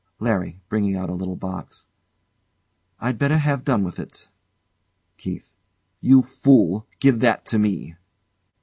LARRY. [Bringing out a little box] I'd better have done with it. KErra. You fool! Give that to me.